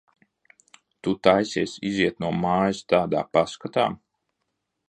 Tu taisies iziet no mājas tādā paskatā?